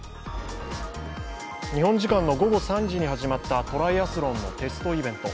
日本時間の午後３時に始まったトライアスロンのテストイベント。